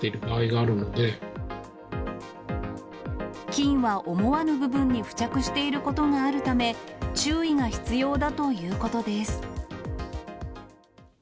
菌は思わぬ部分に付着していることがあるため、注意が必要だということです。